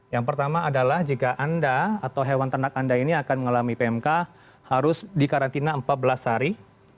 yang pertama adalah jika anda atau hewan ternak anda ini akan mengalami pmk harus dikarantina empat belas hari